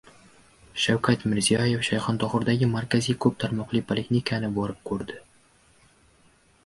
Shavkat Mirziyoyev Shayxontohurdagi Markaziy ko‘p tarmoqli poliklinikani borib ko‘rdi